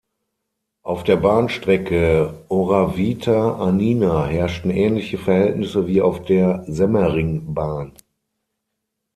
Auf der Bahnstrecke Oravița–Anina herrschten ähnliche Verhältnisse wie auf der Semmeringbahn.